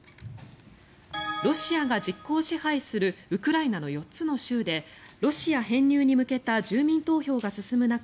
ロシアが実効支配するウクライナの４つの州でロシア編入に向けた住民投票が進む中